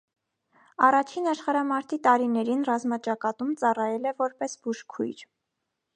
Առաջին աշխարհամարտի տարիներին ռազմաճակատում ծառայել է որպես բուժքույր։